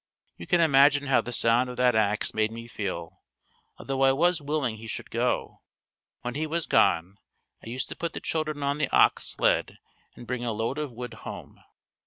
You can imagine how the sound of that ax made me feel, although I was willing he should go. When he was gone, I used to put the children on the ox sled and bring a load of wood home.